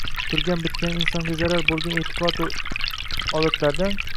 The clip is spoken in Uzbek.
turgan-bitgani insonga zarar bo‘lgan e’tiqodu odatlardan